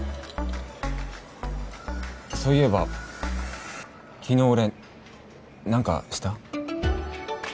そういえば昨日俺何かした？